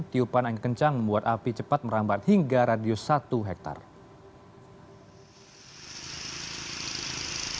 tiupan angin kencang membuat api cepat merambat hingga radius satu hektare